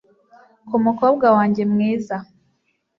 ku mukobwa wanjye mwiza